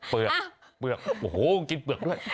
เปลือกเปลือกโอ้โหกินเปลือกด้วย